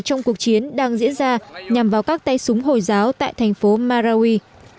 trong cuộc chiến đang diễn ra nhằm vào các tay súng hồi giáo tại thành phố marawi